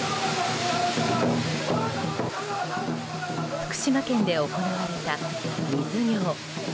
福島県で行われた水行。